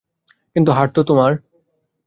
কিন্তু, হাট তো তোমার।